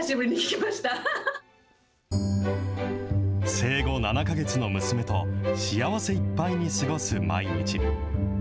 生後７か月の娘と幸せいっぱいに過ごす毎日。